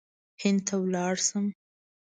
هند ته ولاړ شم.